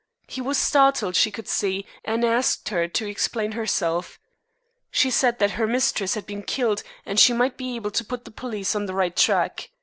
He was startled, she could see, and asked her to explain herself. She said that her mistress had been killed, and she might be able to put the police on the right track.